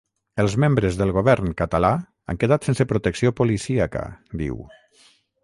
Els membres del govern català han quedat sense protecció policíaca, diu.